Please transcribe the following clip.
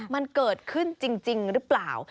มันเกิดขึ้นจริงหรือเปล่า